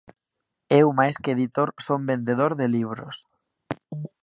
Eu máis que editor son vendedor de libros.